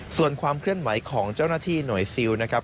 ส่วนความเคลื่อนไหวของเจ้าหน้าที่หน่วยซิลนะครับ